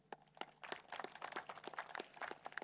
jadi ini adalah yang paling banyak